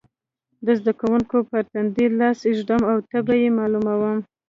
د زده کوونکي پر تندې لاس ږدم او تبه یې معلوموم.